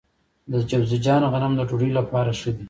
د جوزجان غنم د ډوډۍ لپاره ښه دي.